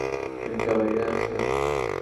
মির্জা বাইরে আছে?